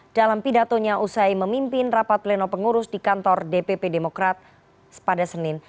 dalam pidatonya usai memimpin rapat pleno pengurus di kantor dpp demokrat pada senin